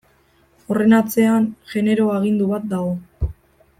Horren atzean genero agindu bat dago.